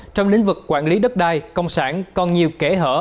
trong lĩnh vực quản lý đất đai công sản còn nhiều kẽ hở